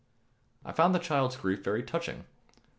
I found the child's grief very touching.